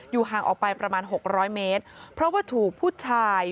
ห่างออกไปประมาณหกร้อยเมตรเพราะว่าถูกผู้ชาย